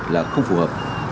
là không phù hợp